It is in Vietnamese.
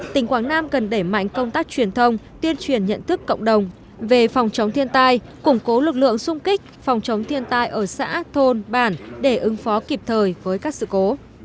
tỉnh quảng nam cần đẩy mạnh công tác truyền thông tuyên truyền nhận thức cộng đồng về phòng chống thiên tai củng cố lực lượng xung kích phòng chống thiên tai ở xã thôn bản để ứng phó kịp thời với các sự cố